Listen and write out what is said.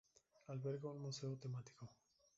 Alberga un museo temático.